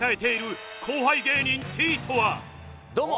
どうも！